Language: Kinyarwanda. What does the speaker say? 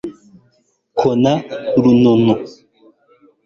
kona runono